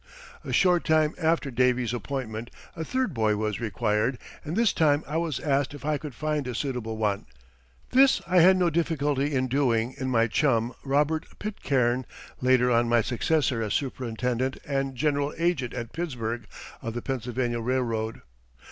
A short time after "Davy's" appointment a third boy was required, and this time I was asked if I could find a suitable one. This I had no difficulty in doing in my chum, Robert Pitcairn, later on my successor as superintendent and general agent at Pittsburgh of the Pennsylvania Railroad.